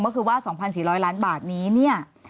ก็คือว่า๒๔๐๐ล้านบาทนี้เนี่ย